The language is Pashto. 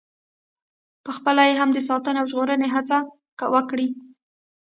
پخپله یې هم د ساتنې او ژغورنې هڅه وکړي.